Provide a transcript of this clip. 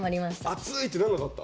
暑いってなんなかった？